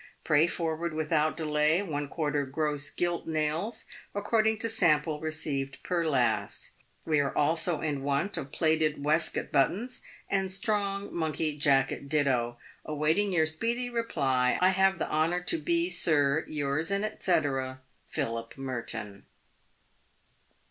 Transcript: Pray forward, without delay, \ gross gilt nails according to sample received per last. "We are also in want of plated waistcoat buttons, and strong monkey jacket ditto. Awaiting your speedy reply, I have the honour to be, sir, " Tours, &c, " Philip Mektok."